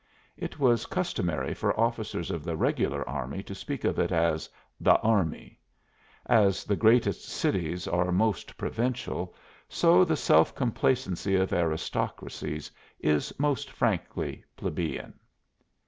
It was customary for officers of the regular army to speak of it as "the army." As the greatest cities are most provincial, so the self complacency of aristocracies is most frankly plebeian.